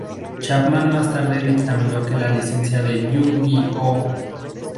Chapman más tarde dictaminó que la licencia de Yu-Gi-Oh!